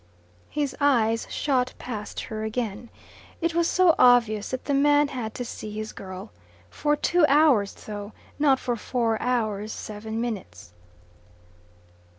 His eyes shot past her again. It was so obvious that the man had to see his girl. For two hours though not for four hours seven minutes.